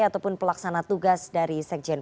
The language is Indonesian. ataupun pelaksana tugas dari sekjen